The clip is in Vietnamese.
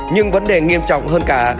nhưng vấn đề nghiêm trọng hơn cả